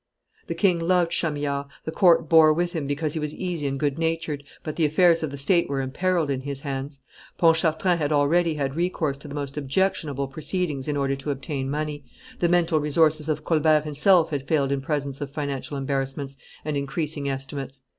The king loved Chamillard; the court bore with him because he was easy and good natured, but the affairs of the state were imperilled in his hands; Pontchartrain had already had recourse to the most objectionable proceedings in order to obtain money; the mental resources of Colbert himself had failed in presence of financial embarrassments and increasing estimates.